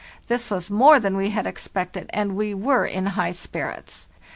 This was more than we had expected, and we were in high spirits.